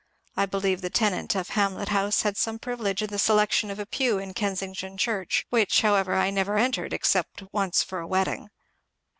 I believe the tenant of Hamlet House had some privilege in the selection of a pew in Kensington church, which, however, I never entered except once for a wedding.